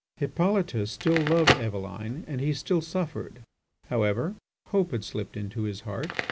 Hippolyte still loved Eveline and he still suffered. However, hope had slipped into his heart.